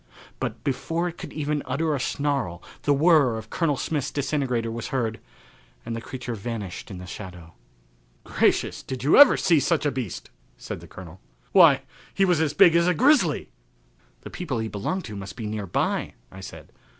But before it could even utter a snarl the whirr of Colonel Smith's disintegrator was heard and the creature vanished in the shadow. "Gracious, did you ever see such a beast?" said the Colonel. "Why, he was as big as a grizzly." "The people he belonged to must be near by," I said.